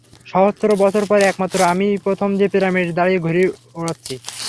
সহস্র বছর পর, একমাত্র আমিই প্রথম যে পিরামিডে দাঁড়িয়ে ঘুড়ি উড়াচ্ছি!